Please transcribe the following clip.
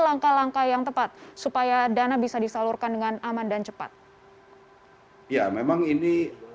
langkah langkah yang tepat supaya dana bisa disalurkan dengan aman dan cepat ya memang ini